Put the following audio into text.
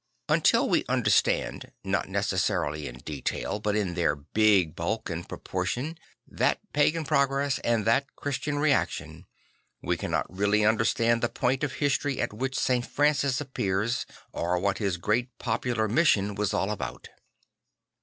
Until we under stand, not necessarily in detail, but in their big bulk and proportion that pagan progress and that Christian reaction, we cannot really understand the point of history at which St. Francis appears or what his great popular mission was all about.